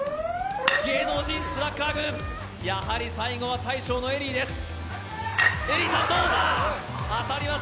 芸能人スラッガー軍、やはり最後は大将のＥＬＬＹです。